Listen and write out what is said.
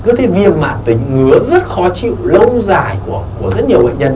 cứ thấy viêm mạng tính ngứa rất khó chịu lâu dài của rất nhiều bệnh nhân